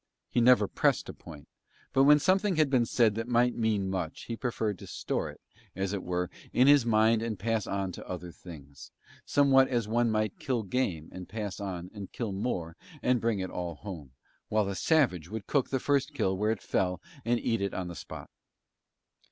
He never pressed a point, but when something had been said that might mean much he preferred to store it, as it were, in his mind and pass on to other things, somewhat as one might kill game and pass on and kill more and bring it all home, while a savage would cook the first kill where it fell and eat it on the spot.